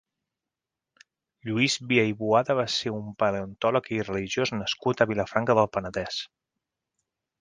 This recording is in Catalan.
Lluís Via i Boada va ser un paleontòleg i religiós nascut a Vilafranca del Penedès.